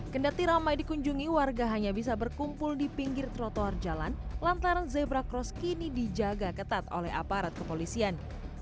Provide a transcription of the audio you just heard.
kendati ramai dikunjungi warga hanya bisa berkumpul di pinggir trotoar jalan lantaran zebra cross kini dijaga ketat oleh aparat kepolisian